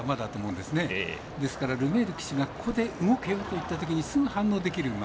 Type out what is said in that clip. ですから、ルメール騎手がここで動けよと言ったときにすぐ反応できる馬。